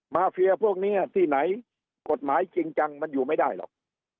เฟียพวกนี้ที่ไหนกฎหมายจริงจังมันอยู่ไม่ได้หรอก